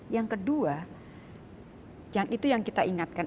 yang kedua yang itu yang kita ingatkan